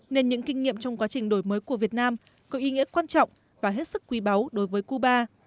nên những kinh nghiệm trong quá trình đổi mới của việt nam có ý nghĩa quan trọng và hết sức quý báu đối với cuba